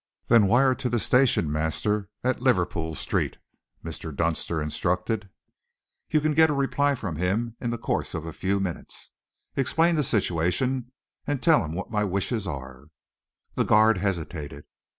"Then wire to the station master at Liverpool Street," Mr. Dunster instructed. "You can get a reply from him in the course of a few minutes. Explain the situation and tell him what my wishes are." The guard hesitated.